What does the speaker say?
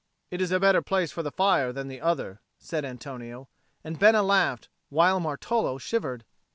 "It is a better place for the fire than the other," said Antonio; and Bena laughed, while Martolo shivered.